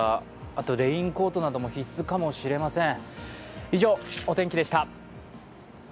あと、レインコートなども必須かもしれません。